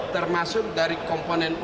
termasuk dari komponen umum